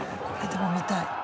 これでも見たい。